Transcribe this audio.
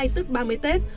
tức ba mươi tết